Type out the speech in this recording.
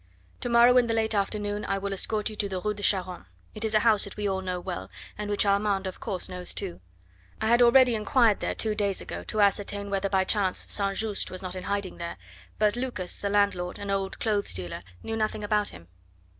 Tomorrow in the late afternoon I will escort you to the Rue de Charonne. It is a house that we all know well, and which Armand, of course, knows too. I had already inquired there two days ago to ascertain whether by chance St. Just was not in hiding there, but Lucas, the landlord and old clothes dealer, knew nothing about him."